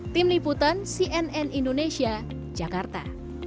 tim liputan cnn indonesia jakarta